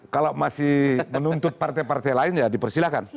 kalau masih menuntut partai partai lain ya dipersilahkan